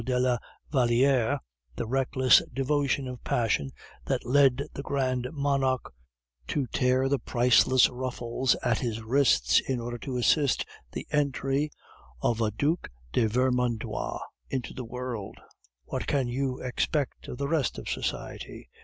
de la Valliere the reckless devotion of passion that led the grand monarch to tear the priceless ruffles at his wrists in order to assist the entry of a Duc de Vermandois into the world what can you expect of the rest of society?